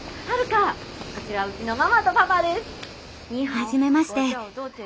こちらうちのママとパパです。